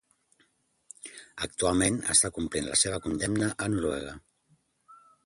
Actualment està complint la seva condemna a Noruega.